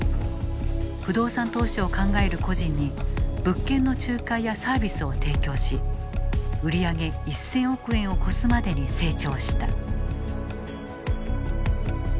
不動産投資を考える個人に物件の仲介やサービスを提供し売り上げ１０００億円を超すまでに成長した。